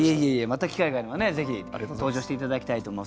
また機会があればねぜひ登場して頂きたいと思います。